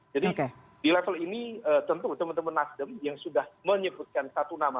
jadi di level ini tentu teman teman nasdem yang sudah menyebutkan satu nama